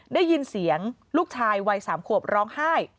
ได้ยินเสียงลูกชายวัย๓ขวบร้องไห้